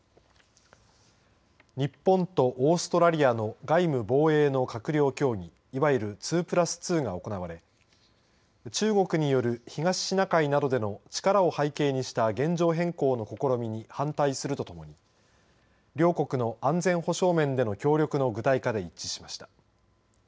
日本とオーストラリアの外務防衛の閣僚協議いわゆる２プラス２が行われ中国による東シナ海などでの力を背景にした現状変更の試みに反対するとともに両国の安全保障面での協力の具体化で一致しました。